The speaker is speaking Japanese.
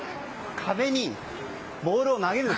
壁にボールを投げると。